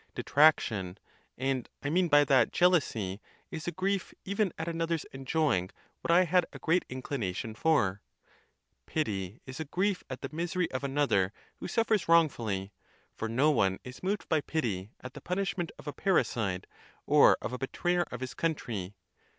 Detraction (and I mean by that, jealousy) is a grief even at another's enjoying what I had a great inclination for. Pity is a grief at the misery of another who suffers wrongfully; for no one is moved by pity at the punishment of a parricide or of a betrayer of his country.